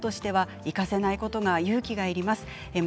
親として行かせないことが勇気がいります。